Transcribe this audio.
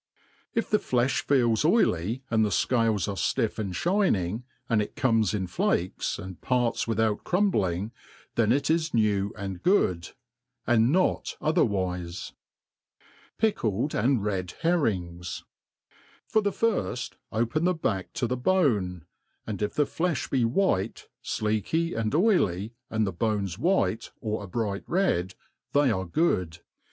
IF the ftefli feels oily, and the fcales tire ftpfF and ftiining, and it comes in flakes, and parts without crumbling, then it is new and good, and not otherwife. ' Pickled and Rid Herrings. For the firft, open the back to the bone, and if the flefh be white, fleaky and oily, and the bone white, or a bright red, they are good.